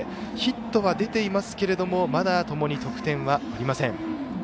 ヒットは出ていますけどもまだともに得点はありません。